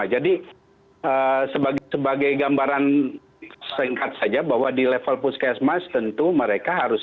jadi sebagai gambaran singkat saja bahwa di level puskesmas tentu mereka harus